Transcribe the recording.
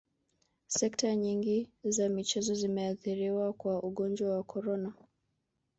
sekta nyingi za michezo zimeathiriwa kwa ugonjwa wa corona